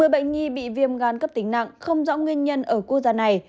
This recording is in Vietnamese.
một mươi bệnh nhi bị viêm gan cấp tính nặng không rõ nguyên nhân ở quốc gia này